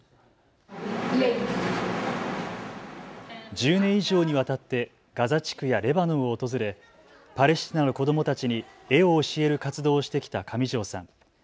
１０年以上にわたってガザ地区やレバノンを訪れパレスチナの子どもたちに絵を教える活動をしてきた上條さん。